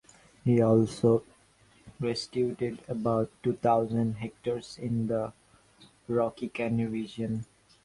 He also restituted about two thousand hectares in the Rokycany region.